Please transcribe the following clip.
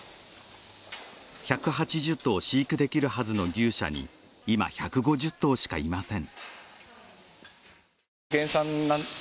１８０頭飼育できるはずの牛舎に今、１５０頭しかいません。